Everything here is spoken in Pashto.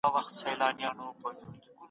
کلتور د ټولني د پېژندګلوۍ نښه ده.